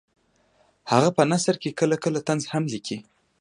هغه په نثر کې کله کله طنز هم لیکي